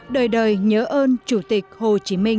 đời đời nhớ ơn chủ tịch hồ chí minh